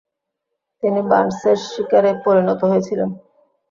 তিনি বার্নসের শিকারে পরিণত হয়েছিলেন।